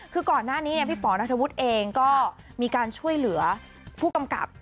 คือก่อนหน้านี้พี่ป๋อนัทธวุฒิเองก็มีการช่วยเหลือผู้กำกับ